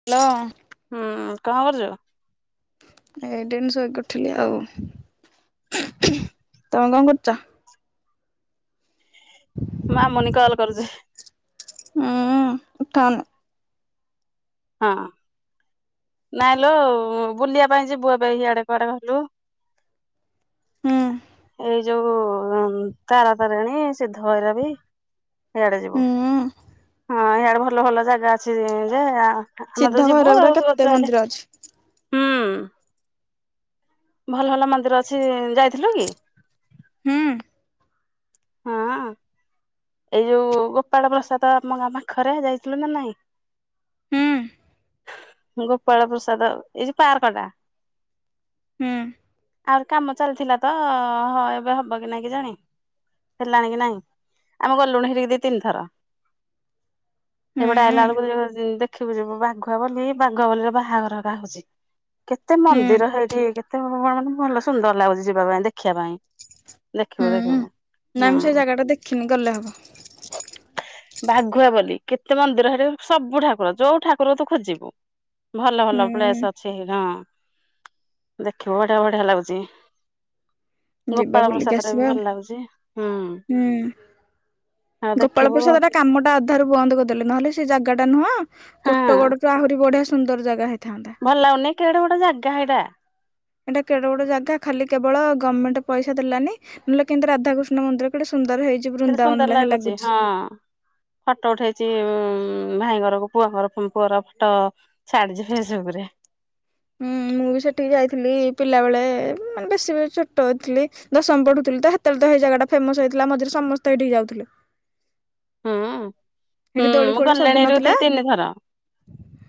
Hello ହୁଁ କଣ କରୁଛୁ ଏଇଡେନିଷଇ କରଥିଲି ଆଉ ତମେ କଣ କରୁଛ ମାମୁନି କଲ୍ କରୁଛି। ହୁଁ ଉଠନ୍। ହଁ ନାଇଁ ଲୁ ବୁଲିବା ପାଇଁ ଯିବୁବେ ଆଡେ କୁଆଡେ ଗଲୁ। ହଁ। ଏଇ ଯୋଉ ତାରାତାରିଣୀ ସିଦ୍ଧଭୈର ବି। ଇଆଡେ ଯିବୁ ହୁଁ। ହଁ ଇଆଡେ ଭଲ ଭଲ ଜାଗା ଅଛି ଯେ ଆମେ ତ ସିଧା ଯିବୁ ଭୈରବରେ ଆଉ ତ କେତେ ଗଜ ହେଲେ ମନ୍ଦିର ଅଛି। ହୁଁ। ଭଲ ଭଲ ମନ୍ଦିର ଅଛି ଯାଇଥିଲୁ କି? ହୁଁ। ହଁ। ଏଇ ଯୋଉ ଗୋପାଳ ପ୍ରସାଦ ଆମା ପାଖରେ ଯାଇଥିଲୁ ନା ନାଇଁ। ହୁଁ ଗୋପାଳ ପ୍ରସାଦ ଏଇ ଯ ପାର୍କ ଟା। ହୁଁ। ଆହୁରି କାମ ଚାଲିଥିଲା ତ ହଁ ଏବେ ହବ କି ନାଇଁ କି ଜାଣି ହେଲାଣି କି ନାଇଁ। ଆମେ ଗଲୁଣି ହେିରିକି ଦି ତିନିଥର ହୁଁ ସେପଟେ ଆଇଲା ବେଳକୁ ଦେଖିବ ଯ ବାଘୁଆ ବୋଲି ବାଘୁଆ ବୋଲିରେ ବାହାଘର କା ହଉଛି କେତେ ହୁଁ ମନ୍ଦିର ହେଇଠି କେ କଣ ମାନେ ଭଲ ସୁନ୍ଦର ଲାଗୁଛି ଯିବା ପାଇଁ ଦେଖିବା ପାଇଁ। ହୁଁ ଦେଖିବୁ ଦେଖିବୁ। ହୁଁ ନାଇଁ ମୁଁ ସେଇ ଜାଗା ଟା ଦେଖିନି ଗଲେ ହବ। ବାଘୁଆ ବୋଲି କେତେ ମନ୍ଦିର ହରେ ସବୁ ଠାକୁର ଯୋଉ ଠାକୁର ତୁ ଖୋଜିବୁ। ଭଲ ଭଲ ହୁଁ ପ୍ଲେସ ଅଛି ହଁ ଦେଖିବୁ ବଢିଆ ବଢିଆ ଲାଗୁଛି। ଯିବା ଗୋପାଳ ବୁଲିକି ପ୍ରସାଦରେ ବି ଆସିବା ଆଉ। ଭଲ ଲାଗୁଛି ହୁଁ। ହୁଁ। ଆଉ ଗୋପାଳ ଦେଖିବୁ ପ୍ରସାଦ ଏଟା ହଁ। କାମଟା ଅଧାରୁ ବନ୍ଦ କରିଦେଲେ ନହେଲେ ସେ ଜାଗାଟା ନୁହଁ। କୋଟଗଡ ରୁ ଆହୁରି ବଢିଆ ସୁନ୍ଦର ଜାଗା ହେଇଥାନ୍ତା। ଭଲ ଲାଗୁନି କେଡେ ଗୋଟେ ଜାଗା ଏଇଟା। ଏଇଟା କେଡ ଗୋଡ ଜାଗା ଖାଲି କେବଳ ଗଭର୍ଣ୍ଣମେଣ୍ଟ ପଇସା ଦେଲାନି। ନହେଲେ କିନ୍ତୁ ରାଧାକୃଷ୍ଣନ୍ଦର ଗୋଟେ ସୁନ୍ଦର ହେଇଛି। କେତେ ବୃନ୍ଦାବନ ସୁନ୍ଦର ଲେଖା ଲାଗୁଛି ହଁ। ଫଟୋ ଉଠେଇଛି ଉ ଭାଇ ଘରକୁ ପୁଅ ଘର ପୁଅର ଫଟୋ। ଛାଡିଛି ଫେସବୁକ ରେ। ହୁଁ ମୁଁ ବି ସେଠିକି ଯାଇଥିଲି ପିଲା ବେଳେ ମାନେ ବେଶୀ ଛୋଟ ହେଥିଲି ଦଶମ ପଢୁଥିଲି ତ। ସେତେଳେ ତ ସେଇ ଜାଗାେମସଇଥିଲା ମିରେ ସମସ୍ତ ଏଇଠି ଯାଉଥିଲେ। ହୁଁ ହୁଁ ସେଠି ଦୋଳି ମୁଁ ଫୋଳି ସବୁ ଗଲିଣି ନଥିଲା ରୁତି ତିନିଥର।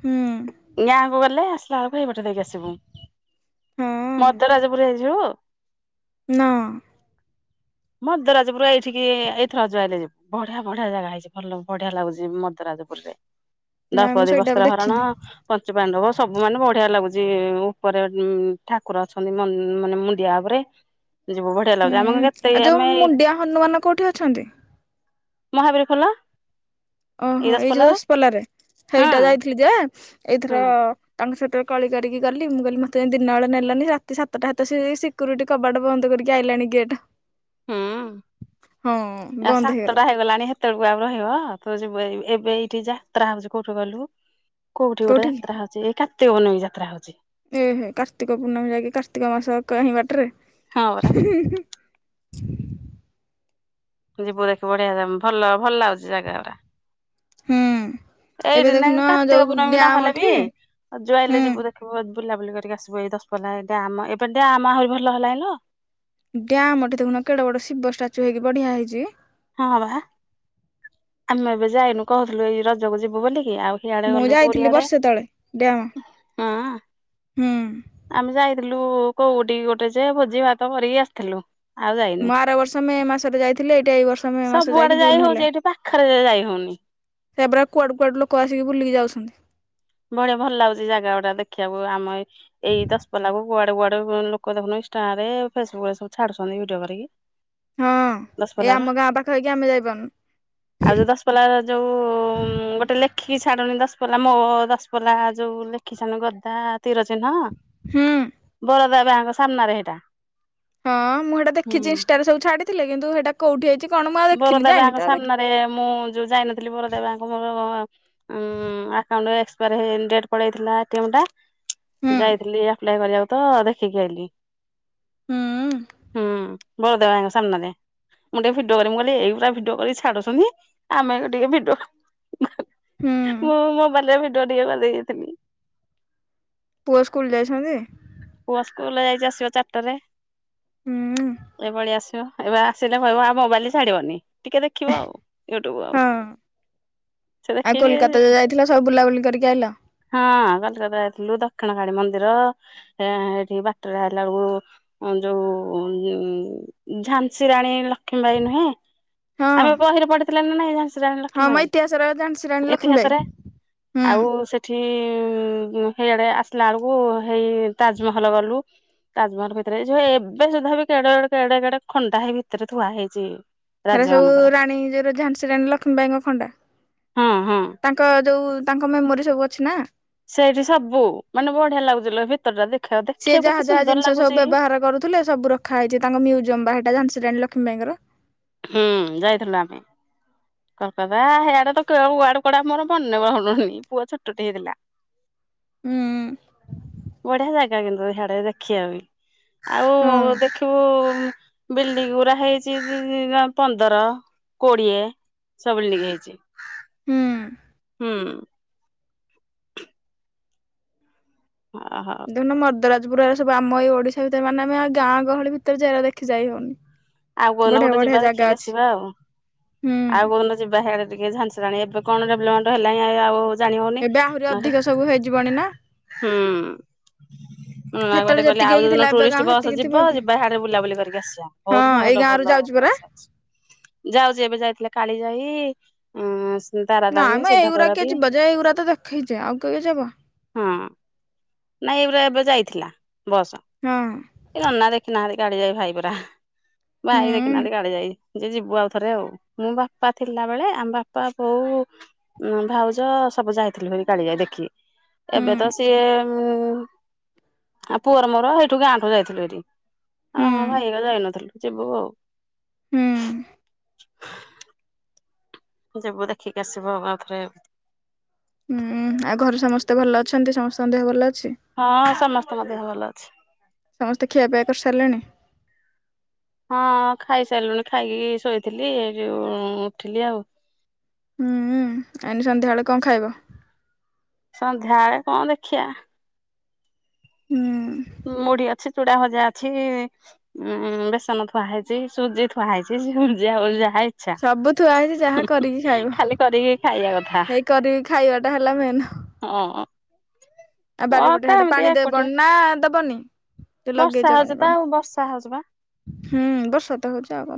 ହୁଁ ଗାଁ କ ଗଲେ ଆ। କୁ ଏପଟେ ଦେଇକି ଆସିବୁ ହଁ ମଦ ରାଜଜପୁର ହେଇଯିବୁ। ନଅ। ମଜପୁରା ଏଇଠିକି ଏଇଥର ଯୁଆ ହେଲେ ଯିବୁ। ବଢିଆ ବଢିଆ ଜାଗା ହେଇଛି ଭଲ ବଢିଆ ଲାଗୁଛି ମଦରାଜପୁରରେ ନାଇଁ ମୁଁ ଦୌପଦୀ ସେଇଟା ବସ୍ତ୍ର ବି ହରଣ। ଦେଖିନି ପଞ୍ଚୁ ପାଣ୍ଡବ ସବୁ ମାନେ ବଢିଆ ଲାଗୁଛି ଉପରେ ଠାକୁର ଅଛନ୍ତି ମାନେ ମୁଣ୍ଡିଆ ଉପରେ ଯିବୁ ବଢିଆ ଲାଗୁଛି ଆମ ହୁଁ କେତେ ଆଉ ଯୋଉ ଆମେ ମୁଣ୍ଡିଆ ହନୁମାନ କେଉଁଠି ଅଛନ୍ତି? ମହାବୀର ଖୋଲା। ଓହୋ ଏଇ ଯୋ ଦଶପଲ ରେ ହଁ ସେଇଟା ଯାଇଥିଲି ଯେ ହୁଁ ଏଇଥର ତାଙ୍କ ସେହିତରେ କଳି କରିକି ଗଲି ମୁଁ କଲି ମତେ ଦିନବେଳେ ନେଲନି ରାତି ସାତଟା ହାତ ସେ ସିକ୍ୟୁରିଟି କବାଟ ବନ୍ଦ କରିକି ଆଇଲାଣି ଗେଟ୍। ହୁଁ ହଁ ଆ ବନ୍ଦ ହେଇଗଲା ସାତଟା ହେଇଗଲାଣି ସେ କେତେବେଳକୁ ଆଉ ରହିବ ତ ଯ ଏବେ ଏଇଠି ଯାତ୍ରା ହଉଛି କୋଉଠୁ ଗଲୁ। କୋଉଠି ଗୋଟେ କୋଉଠିକି ଯାତ୍ରା ହଉଛି ଏଇ କାର୍ତିକୂଣ୍ଣମୀ ଯାତ୍ରା ହଉଛି। ଓହୋ କାର୍ତ୍ତିକ ପୂର୍ଣ୍ଣମୀ ଯାଇକି କାର୍ତ୍ତିକ ମାସହିଁ ହଁ ପରା। ବାଟରେ। ଯିବୁ ଦେଖି ବଢିଆ ଭଲ ଭଲ ଲାଗୁଛି ଜାଗା ଗଟା ହୁଁ ଏବେ ଏଇଦନା ଦେଖୁନ ଯୋଉ କାର୍ତ୍ତିକ ପୂର୍ଣ୍ଣମୀ ଡ୍ୟାମ ନହେଲେ ଏଠି ବି ଆ ହୁଁ ଯୁଆଇଲେ ଯିବୁ ଦେ ଖାଇବୁ ବୁଲାବୁଲି କରିକି ଆସିବ ଏଇ ଦଶ ପଲା ଏଟା ଆମ ଏବେ ଟ ଆମ ଆହୁରି ଭଲ ହେଲାଣିଁ ଡମ୍ ଏଠି ଦେଖୁନ କେଡେ ବଡ ଶିବ ଷ୍ଟାଚୁ ହେଇକି ବଢିଆ ହେଇଛି। ହଁ ବା। ଆମେ ଏବେ ଯାଇନୁ କହୁଥିଲୁ ଏଇ ରଜକୁ ଯିବୁ ବୋଲିକି ଆଉ ସିଆଡେ ମୁଁ ଗଲୁ ଯାଇଥିଲି ପୁରିଆଡେ ବର୍ଷେ ତଳେ ହଁ। ହଁ। ଆମେ ଯାଇଥିଲୁ କୋଉଠିକି ଗୋଟେ ଯେ ଭୋଜି ଭାତ କରିକି ଆସିଥିଲୁ। ଆଉ ଯାଇନି। ମୁଁ ଆର ବର୍ଷ ମେ ମାସରେ ଯାଇଥିଲି ଏଇଟା ଏଇ ବର୍ଷ ମେ ମାସ ସବୁଆଡେ ଯାଇକି ଯାଇ ଜୁନ ହଉଛି ହେଲାଣି। ଏଇଠି ପାଖରେ ଯାଇ ହଉନି ସେବେ କୁଡୁ କୁଆଡୁ ଲୋକ ଆସିକି ବୁଲିକି ଯାଉଛନ୍ତି। ବଢିଆ ଭଲ ଲାଗୁଛି ଜାଗା ଅଡା ଦେଖିବାକୁ ଆମ ଏଇ ଦଶ ପଲାକୁ କୁଆଡେ କୁଆଡେ ଲୋକ ଦେଖୁ ଇନଷ୍ଟଟାରେ ଫେସବୁ ରେ ସବ ଛଡୁଛନ୍ତି ଭିଡିଓ କରିକି। ହଁ ଏଇ ଦଶପଲ୍ଲାର ଆମ ଗାଁ ପାଖ ହେଇକି ଆମେ ଯାଇପାରୁନୁ। ଆଉ ଯୋଉ ଦଶପଲଲା ଯୋଉ ଗୋଟେ ଲେଖିକି ଛାଡୁନଣି ଦଶପଲଲା ମୋର୍। ପଲା ଯୋଉ ଲେଖିଛନ ଗଦା ତତିର ଚିହ୍ନ ହୁଁ ବରଦା ବାଙ୍କ ସାମ୍ନାରେ ହେଇଟା। ହଁ ମୁଁ ସେଟା ହୁଁ। ଦେଖିଛି ଇନଷ୍ଟଟାରେ ସବୁ ଛାଡିଥିଲି କିନ୍ତୁ ସେଟା କୋଉଠିଇଛି କଣ ମୁ ଆଉ ବରୋଦା ଦେଖିନି ବ୍ୟାଙ୍କ ଯାଇନି ତ ଦେଖି ସାମ୍ନାରେ ମୁଁ ଯୋଉ ଯାଇନଥିଲି ବୋରଦା ବ୍ୟାଙ୍କ୍ ମୋ ମୋର ଆକାଉଣ୍ଟ ଡେଟ ପଳେଇଥିଲା ଏଟିଏମ୍ ଟା ହୁଁ ଯାଇଥିଲି ଆପ୍ଲାଏ କରିବାକୁ ତ ଦେଖିକି ଆଇଲିି ହୁଁ ବଳଦେବଙ୍କ ସାମ୍ନାରେ ମୁଁ ଟେ ମୁଁ କହିଲି ଏଇ ଭଳିଆ ଭିଡିଓ କରି ଛାଡୁଛନ୍ତି ଆମେ ଟିକେ ଭିଡିଓ ହୁଁ ମୁଁ ମୋବାଇଲ ରେ ଭିଡିଓ ଟିକେ ବନେଇକି ଦେଲି ପୁଅ ସ୍କୁଲ ଯାଇଛନ୍ତି ପୁଅ ସ୍କୁଲ ଯାଇଛି ଆସିବ ଚାରିଟାରେ ହୁଁ ଏଭଳି ଆସିବ ଏବେ ଆସିଲେ କହିବ ଆଉ ମୋବାଇଲ ଛାଡିବନି ଟିକେ ଦେଖିବ ଆଉ ୟୁଟୁବ ଆଉ ହଁ ସେ ଆଉ ଦେଖି ଟିକେ କୋଲକାତା ଯ ଯାଇଥିଲ ସବୁ ବୁଲାବୁଲି କରିକି ଆଇଲ ହଁ କଲିକତା ଯାଇଥିଲୁ ଦକ୍ଷିଣ କାଳୀ ମନ୍ଦିର ଏ ହେଁ ଏଠି ବାଟରେ ଆଇଲା ବେଳକୁ ଯୋଉ ଝାନ୍ସୀ ରାଣୀ ଲକ୍ଷ୍ମୀବାଇ ନୁହେଁ ହଁ ଆମେ ବହିରେ ପଢି ଥିଲେ ନା ନାଇଁ ଝାନସୀ ରାଣୀ ଲକ୍ଷ୍ମୀ ହଁ ମ ଇତିହାସର ଝାନ୍ସୀ ରାଣୀ ବାଇ ଲକ୍ଷ୍ମୀବାଇ ଇତିହାସରେ ହୁଁ ଆଉ ସେଠି ସେଇଆଡେ ଆସିଲା ବେଳକୁ ହେଇ ତାଜମହଲ ଗଲୁ ତାଜମହଲ ଭିତରେ ଏଇ ଯୋଉ ଏବେ ସୁଦ୍ଧା ବି କେଡେ କେଡେ କେଡେ ଖଣ୍ଡା ହେ ଭିତରେ ଥୁଆ ହେଇଛି ହେରା ରାଜା ସବୁ ମାନଙ୍କର ରାଣୀ ଯୋଉ ଝାନ୍ସି ରାଣୀ ଲକ୍ଷ୍ମୀବାଇଙ୍କ ଖଣ୍ଡା ହଁ ହଁ ତାଙ୍କ ତାଙ୍କ ଯେଉଁ ତାଙ୍କ ମେମୋରି ସବୁ ଅଛି ନା ସେଇଠି ସବୁ ମାନେ ବଢିଆ ଲାଗୁଛି ଲୋ ଭିତର ଟା ଦେଖିବା ସିଏ ଦେଖିବାକୁ ଯାହା କେତେ ଯାହା ଜିନିଷ ସୁନ୍ଦର ସବୁ ଲାଗୁଛି ବ୍ୟବହାର କରୁଥିଲେ ସବୁ ରଖାହେଇଛି ତାଙ୍କ ମ୍ୟୁଜିୟମ ବା ସେଟା ଝାନସୀ ରାଣୀ ଲକ୍ଷ୍ମୀ ବାଇଙ୍କର ହୁଁ ଯାଇଥିଲୁଲୋ ଆମେ କଲକତା [unintelligible] ପୁଅ ଛୋଟଟେ ହେଇଥିଲା ହୁଁ ବଢ଼ିଆ ଜାଗା କିନ୍ତୁ ହେଆଡେ ଦେଖିବା ପା - ହଁ ଆଉ ଦେଖିବୁ ବିଲ୍ଡିଙ୍ଗ ଗୁଡା ହେଇଛି ପନ୍ଦର କୋଡିଏ ସବୁ ବିଲ୍ଡିଙ୍ଗ ହେଇଛି ହୁଁ ହୁଁ ଓହୋ ମରଦରାଜପୁର ଏ ସବୁ ଆମ ଏଇ ଓଡିଶା ଭିତରେ ମାନେ ଆମେ ଗାଁ ଗହଳି ଭିତରେ ଯାଇ ଦେଖି ଯାଇ ହଉନି ଆଉ କଉଦିନ ବଢିଆ ଗୋଟେ ବଢିଆ ଯିବା ଜାଗା ଦେଖିକି ଅଛି ଆସିବା ଆଉ ହୁଁ ଆଉ କନ ଯିବା ସିଆଡେ ଟିକେ ଝାନସୀ ରାଣୀ ଏବେ କଣ ଡେଭଲପମଣ୍ଟ ହେଲାଣି ଆଉ ଉ ଜାଣି ହଉନି ଏବେ ଆହୁରି ନହେଲେ ଅଧିକ ସବୁ ହେଇଯିବଣି ନା। ହୁଁ ହୁଁ ଆଉ ସେତେବେଳେ ମୋତେ କହିଲେ ଯେତିକି ହେଇକି ଥିଲା ଯୋଉଦିନ ଏବେ ଗାଁ ଟୁରିଷ୍ଟ ବସ ସେତିକି ଥିବ ଯିବ କି? ଯିବା ହାଡେ ବୁଲାବୁଲି କରିକି ଆସିବା। ବହୁତ ହଁ ଏଇ ଭଲ ଗାଁ ରୁ ଭଲ ଯାଉଛି ପରା ଚାଲିଛି ଯାଉଛି ଏବେ ଯାଇଥିଲେ କାଳିଜାଇ। ଉଁ ତାରା ନା ତାରିଣୀ ମ ଏଇଗୁଡା କିଏ ସିଦ୍ଧାଭୈରବୀ ଯିବ ଯେ ଏଇଗୁଡା ତ ଦେଖେଇଛେ ଆଉ କେବେ ଯିବ ହଁ ନାଇଁ ଏଇଗୁଡ଼ା ଏବେ ଯାଇଥିଲା ବସ। ହୁଁ ନନା ଦେଖିନାହାନ୍ତି କାଳିିଜାଇ ଭାଇ ଗୁରା ହୁଁ ଭାଇ ଦେଖିନାହାନ୍ତି କାଳିଜାଇ। ଯେ ଯିବୁ ଆଉଥରେ ଆଉ ମୋ ବାପା ଥିଲାବେଳେ ଆମ ବାପା ବୋଉ ଉଁ ଭାଉଜ ସବୁ ଯାଇଥିଲୁ କାଳିଜାଇ ଦେଖି ହୁଁ ଏବେ ତ ସିଏ ହୁଁ ଆଉ ପୁଅର ମୋର ସେଇଠୁ ଗାଁଠୁ ଯାଇଥିଲୁ ଏଇଠି ହୁଁ ହଁଁ ଭାଇ କା ଯାଇନଥିଲୁ ଯିବୁ ଆଉ ହୁଁ। ଯିବୁ ଦେଖିକି ଆସିବୁ ଆଉ ଥରେ। ହୁଁ ଆଉ ଘରେ ସମସ୍ତେ ଭଲ ଅଛନ୍ତି ସମସ୍ତଙ୍କ ଦେହ ଭଲ ଅଛି? ହଁ ସମସ୍ତ ଙ୍କ ଦେହ ଭଲ ଅଛି। ସମସ୍ତେ ଖିଆପିଆ କରିସାରିଲେଣି? ହଁ ଖାଇସାରିଲୁଣି ଖାଇକି ଶୋଇଥିଲି ଏଇ ଯୋଉ ଉଠିଲି ଆଉ। ଆଇନି ସନ୍ଧ୍ୟାବେଳେ କଣ ଖାଇବ? ସନ୍ଧ୍ୟାବେଳେ କଣ ଦେଖିଆ ହୁଁ। ମୁଢି ଅଛି ଚୁଡା ଭଜା ଅଛି ଉଁ ବେସନ ଥୁଆ ହେଇଛି ସୁଜି ଥୁଆ ହେଇଛି ସୁଜି ଓଜା ହେଇ ଆଛା ସବୁ ଥୁଆ ହେଇଛି ଯାହା କରିକି ଖାଇବ ଖାଲି କରିକି ଖାଇବା କଥା ଏଇ କରିବି ଖାଇବା ଟା ହେଲା ମେନ। ହଁ। ଆଉ ବାରିପଟେ ମତେ ହାଡେ ଏମିତି ପାଣି ଏକୁଟିଆ ଦେବନି ନା ଦବନି? ଯୋଉ ଲଗେଇଛ ବର୍ଷା କଣ ହଉଛି ତ କଣ ଆଉ ବର୍ଷା ହଉଛି ବା ହୁଁ ବର୍ଷ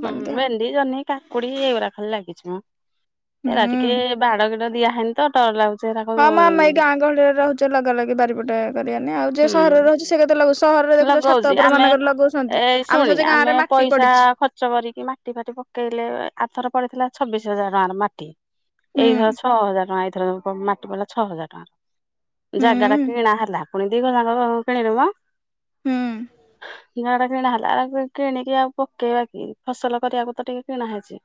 ହୁଁ ଭେଣ୍ଡି ଜହ୍ନି କାକୁଡି ଏଇଗୁଡା ଖାଲି ଲାଗିଛି ମ ଏଇଗୁଡା ଟିକେ ହୁଁ। କେ ବାଡ଼ ଗଡ ଦିଆ ହେ ତ ଡର ଲାଗୁଛି ହୁଁ ହଁମ ଆମେ ଏଇ ଗାଁ ଗହଳିରେ ରହୁଛେ‌ ଲଗା ଲଗି ବାରିପଟେ କରିବାନି ଆଉ ସହରରେ ରହୁଛି ସେ କେତେ ଲଗୁ ସହରରେ ଦେଖୁଛ ଛାତ ଲଗଉଛି ଉପର ଆମେ ମାନଙ୍କରେ ଲଗଉଛନ୍ତି ଆମେ ସହଜେ ଗାଁ ରେ ମାଟି ପଡିଛି ଖର୍ଚ କରିକି ମାଟି ଫାଟି ପକେଇଲେ ଆଥର ପଡିଥିଲା ଛବିଶ ହଜାର ଟଙ୍କାର ମାଟି ଏଇଥର ହୁଁ ଛଅ ହଜାର ଟଙ୍କା ଏଇଥର ମାଟି ପଡିଲା ଛଅ ହଜାର ଟଙ୍କା ଜାଗା ଟା ହୁଁ କିଣା ହେଲା ପୁଣି ଦିଘ ଜାଙ୍କ କିଣିଲୁ ପା ହୁଁ। ଜାଗା ଟା କିଣା ହେଲା ଆ କିଣିକି ଆଉ ପକେଇବା କି ଫସଲ କରିବାକୁ ତ ଟିକେ କିଣା ହେଇଛି।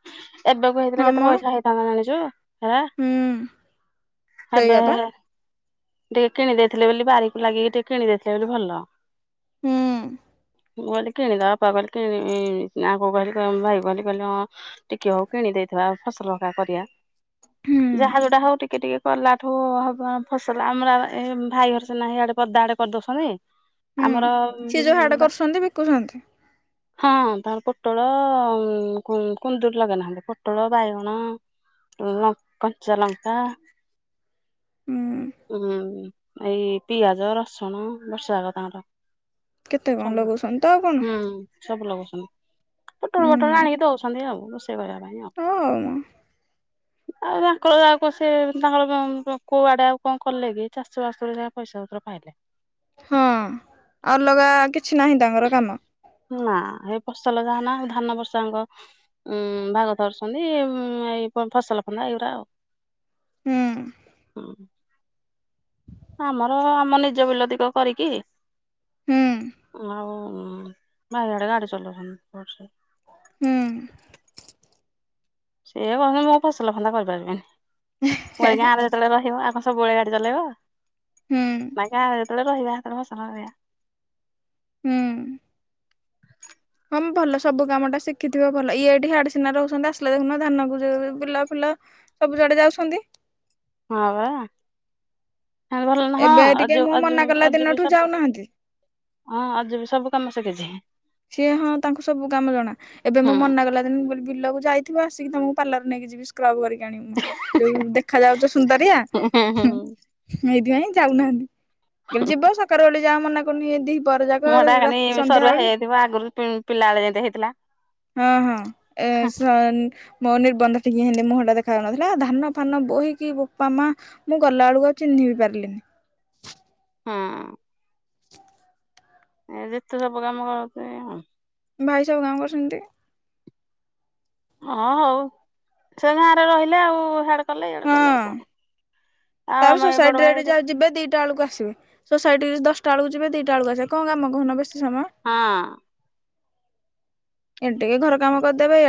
ଏବେକୁ ହେଇଥିଲେ ହଁ ମ କେତେ ପଇସା ହେଇଥାନ୍ତା ଜାଣିଚୁ? ଆଁ ହୁଁ ଆବେ ସେଇଆ ପା ଟିକେ କିଣିଦେଇଥିଲେ ବୋଲି ବାରିକୁ ଲାଗିକି ଟିକେ କିଣିଦେଇଥିଲେ ବୋଲି ଭଲ ହୁଁ। ମୁଁ କହିଲି କିଣଦବା ବାପା କହିଲି କିଣି ନା କହିଲି କହ ଭାଇ କହିଲେ ହଁ ଟିକେ ହଉ କିଣି ଦେଇଥିବା ଆଉ ଫସଲକା କରିବା ହୁଁ ଯାହା ଯୋଉଟା ହଉ ଟିକେ ଟିକେ କଲା ଠୁ ହବ ଫସଲ ଆମର ଏ ଭାଇ ଘର ସିନା ହେଇଆଡେ ପଦା ଆଡେ କରିଦଉଛନ୍ତି। ହୁଁ ଆମର ସିଏ ଯୋଉ ହାଡେ ବା କରୁଛନ୍ତି ବିକୁଛନ୍ତି ହଁ ତାର ପୋଟଳ କୁନ୍ଦୁରି ଲଗେଇ ନାହାନ୍ତି ପୋଟଳ ବାଇଗଣ କଞ୍ଚା ଲଙ୍କା। ହୁଁ ଉଁ ଏଇ ପିଆଜ ରସୁଣ ବର୍ଷ ଯାକ ତାଙ୍କର କେତେ କଣ ସବୁ ଲଗଉଛନ୍ତି ତ ଆଉ କଣ ହୁଁ ସବୁ ଲଗଉଛନ୍ତି ପୋଟଳ ପୋଟଳ ହୁଁ ଆଣିକି ଦଉଛନ୍ତି ଆଉ। [inaudible] କରିବା ପାଇଁ ଆଉ। ହଉ [inaudible] ଆଉ ତାଙ୍କର ଯାହାକୁ ସେ ତାଙ୍କର କୋଉଆଡେ ଆଉ କଣ କଲେ କି ଚାଷ ବାସରେ ଯ ପଇସା ପତ୍ର ପାଇଲେ ହଁ ଅଲଗା କିଛି ନାହିଁ ତାଙ୍କର କାମ ନା ଏ ଫସଲ ଯାହା ନା ଧାନ ବର୍ଷାଙ୍କ ଉଁ ଭାଗ ଧରୁଛନ୍ତି ଏଇ ଫସଲ ଫନ୍ଦା ଏଇଗୁଡ଼ା ଆଉ ହୁଁ ହଁ ଆମର ଆମ ନିଜ ବିଲତିକ କରିକି ହୁଁ ଆଉ ଭାଇଆଡେ ଗାଡି ଚଲଉଛନ୍ତି ହୁଁ ସେିଏ କଛନ୍ତି ମୁୋ ଫସଲ ଫନ୍ଦା କରିପାରିବିନି ମୁଁ ଗାଁରେ ସେତେବେଳେ ରହିବ ଆଙ୍କଣ ସବୁବେଳେଆ ଗାଡି ଚଲେଇବ ହୁଁ ନାଇ କ ଯେତେବେଳେ ରହିବା ସେତେବେଳେ ମୋ ସାଙ୍ଗ ରହିବା ହୁଁ ହଁ ଭଲ ସବୁ କାମ ଟା ଶିଖିଥିବ ଭଲ ଇଏ ଏଇଠି ହାଡ ସିନା ରହୁଛନ୍ତି ଆସିଲେ ଦେଖୁନ ଧାନକୁ ଯ ବିଲା ଫିଲ ସବୁ ଜଡେ ଯାଉଛନ୍ତି ହଁ ବାତି ଭଲ ହଁ ଏବେ ଟିକେ ମୁଁ ଆ ମନା କଲା ଆଜ ବି ଦିନଠୁ ସବୁ ଯାଉନାହାନ୍ତି ହଁ ଆଉ ଯିବ ସବୁ କାମ ଶଖିଛି ସିଏ ହଁ ତାଙ୍କୁ ସବୁ କାମ ଜଣା ଏବେ ହୁଁ ମୁଁ ମନା କଲା ଦିନ ବିଲକୁ ଯାଇ ଥିବା ଆସିକିମକୁ ପାର୍ଲ ନେଇି ଯିବି ଯଉ ଦେଖା ଯାଉଚ ସୁନ୍ଦରିଆ। ହୁଁ ହୁଁ ହୁଁ [inaudible] ଯାକ ସନ୍ଧ୍ୟା--ଳେ। ଆଗୁରୁ ପିଲା ଳେ ଯେ ହେଇଥିଲା। [inaudible] ମୋ ନିର୍ବନ୍ଧ ଠିକି ହିନ୍ତି ମୁଁହଁଟା ଦେଖା--ନଥିଲା, ଧାନ ଫାନ ବୋହିକି ବାପା ମାଆ। ମୁଁ ଗଲା କୁ ଆଉ ଚିହ୍ନି ବି ପାର୍ଲିନି। [inaudible] [inaudible] [inaudible] ଭାଇ ସବୁ କାମ କରୁ ସେ ଗାଁ ରେ ରହିଲେ ଆଉ କଲେ ଇଆଡେ କଲେ ଆଉ କଣ ଆଉ ଆମ ଏଇ ବଡ ସୋସାଇଟି ଭାଇ ଏଠି ଯିବେ ଦିଟା ଳକୁ ଆସିବେ। ସୋସାଇଟି ଦଶ୍ ଟା ଅଳକୁ ଯିବେ ଦିଟା ଳକୁ ଆସିବେ। କ'ଣ କାମ କହୁନ ବେଶୀ ସମୟ। ହଁ। ଏ ଘର କାମ କରି ଦେବେ।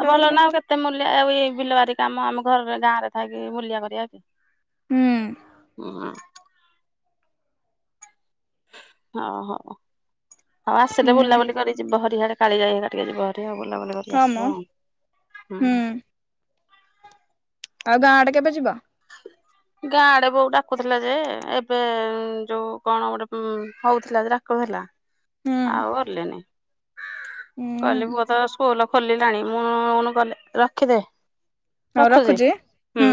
ଆଉ ଭଲ ନା ଆଉ କେତେ ମୂଲିଆ ଆଉ ବିଲବାରି କାମ---ଘରେ ଗାଁରେ ଥାଇକି ଲିଆ କରିବା କି। ହୁଁ ହଁ ହୁଁ ଆସିଲେ ବୁଲାବୁଲି କରି ଯିବ କାଳୀଜାଇ ଟିକେ ହଁ ମ ଯିବ ହୁଁ [inaudible] ଆଉ ଗାଁ ଆଡ଼େ କେବେ ଯିବ? ଗାଁ ଆଡ଼େ ବୋଉ ଡାକୁଥିଲା ଯେ, ଏବେ ଯଉ କ'ଣ ଗୋଟେ ହଉଥିଲା ଯେ ଡ଼ାକୁଥିଲା। ହୁଁ ହୁଁ [inaudible] [inaudible] ହଉ ରଖୁଛି ରଖୁ ହୁଁ।